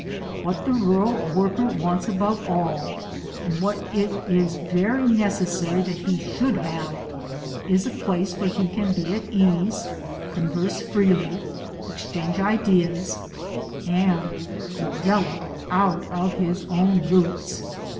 What the rural worker wants above all and what it is very necessary that he should have is a place where he can be at ease, converse freely, exchange ideas, and develop out of his own roots.